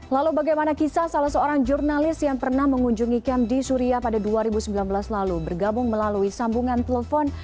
lalu bagaimana kisah salah seorang jurnalis yang pernah mengunjungi camp di suria pada dua ribu sembilan belas lalu bergabung melalui sambungan telepon